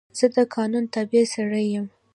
زه د قانون تابع سړی یم.